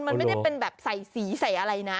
มันไม่ได้เป็นแบบใส่สีใส่อะไรนะ